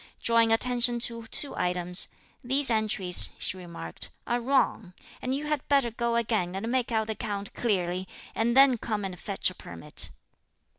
Drawing attention to two items: "These entries," she remarked, "are wrong; and you had better go again and make out the account clearly, and then come and fetch a permit."